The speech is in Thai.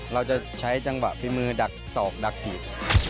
เราจะใช้จังหวะฝีมือดักศอกดักจีบ